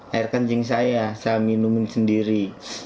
air kencing saya saya minum sendiri